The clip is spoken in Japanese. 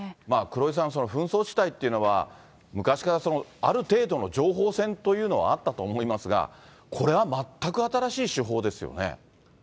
黒井さん、紛争地帯っていうのは、昔からある程度の情報戦というのはあったと思いますが、これは全く新しい手法ですよね。